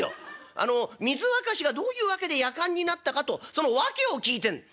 水沸かしがどういう訳でやかんになったかとその訳を聞いてんの」。